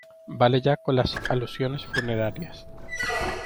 vale ya con las alusiones funerarias.